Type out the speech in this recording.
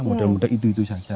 mudah mudahan itu itu saja